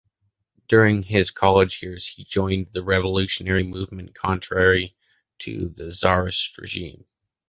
During his college years he joined the revolutionary movement contrary to the tsarist regime.